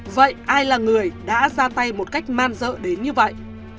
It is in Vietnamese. vậy ai là người đã ra tay một cách man dợ đến như vậy